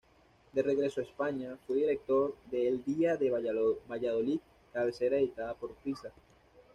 De regreso a España fue director de El Día de Valladolid, cabecera editada por Prisa.